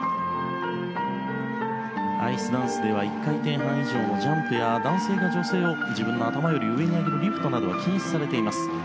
アイスダンスでは１回転半以上のジャンプや男性が女性を自分の頭より上に上げるリフトなどは禁止されています。